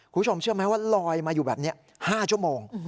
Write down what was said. คุณผู้ชมเชื่อไหมว่าลอยมาอยู่แบบนี้๕ชั่วโมง